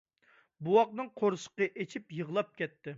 بوۋاقنىڭ قورسىقى ئېچىپ يىغلاپ كەتتى.